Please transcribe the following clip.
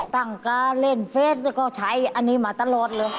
ตั้งการเล่นเฟสแล้วก็ใช้อันนี้มาตลอดเลย